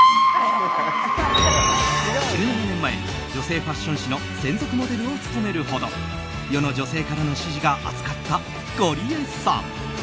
１７年前女性ファッション誌の専属モデルを務めるほど世の女性からの支持が厚かったゴリエさん。